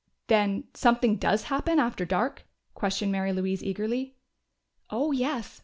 "Then something does happen after dark?" questioned Mary Louise eagerly. "Oh, yes.